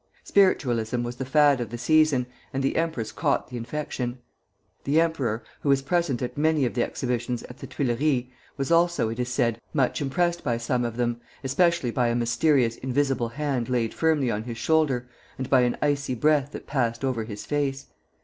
Spiritualism was the fad of the season, and the empress caught the infection. The emperor, who was present at many of the exhibitions at the Tuileries, was also, it is said, much impressed by some of them, especially by a mysterious invisible hand laid firmly on his shoulder, and by an icy breath that passed over his face.